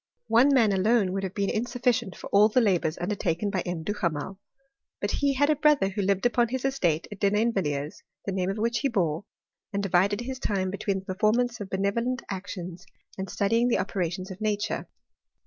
One man alone would have been insufficient for all the labours undertaken by M. Duhamel; but he had a brother who lived upon bis estate at Denaiuvilliers 294 HISTO&T 07 CHEXI8T11T. (the name of which he bore), and divided his time be tvfvv.ii the performance of benevolent actions and studyinp^ the operations of nature.